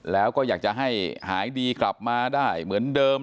แล้วก็อยากจะให้หายดีกลับมาได้เหมือนเดิม